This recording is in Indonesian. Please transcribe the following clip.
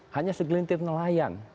hanya segelintir nelayan